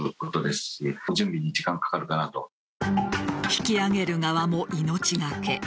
引き揚げる側も命がけ。